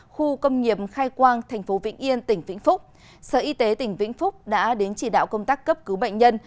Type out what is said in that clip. khu công nghiệp khai quang tp vĩnh yên tỉnh vĩnh phúc sở y tế tỉnh vĩnh phúc đã đến chỉ đạo công tác cấp cứu bệnh nhân